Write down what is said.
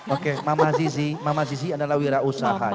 oke mama zizi mama zizi adalah wirausaha ya